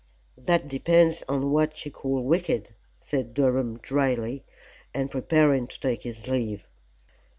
"That depends on what you call wicked," said Durham, dryly, and preparing to take his leave.